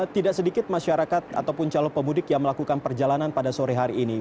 tidak sedikit masyarakat ataupun calon pemudik yang melakukan perjalanan pada sore hari ini